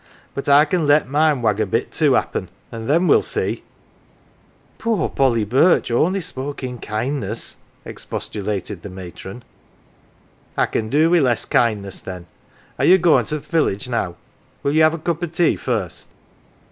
But I can let mine wag a bit too, happen, and then we'll see !"" Poor Polly Birch only spoke T kindness !" expostu lated the matron. " I can do wi' less kindness, then. Are you goin" 1 to th" village now ? Will you have a cup o 1 tea first